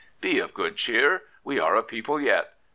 Be of good cheer. We are a people yet.